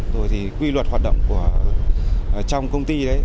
rồi thì quy luật hoạt động trong công ty đấy